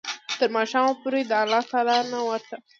تر ماښامه پوري د الله تعالی نه ورته